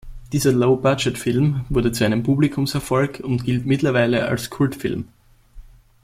Dieser Low-Budget-Film wurde zu einem Publikumserfolg und gilt mittlerweile als Kultfilm.